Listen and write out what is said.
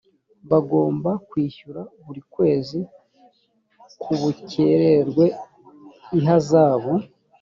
bagomba kwishyura buri kwezi k ubukererwe ihazabu.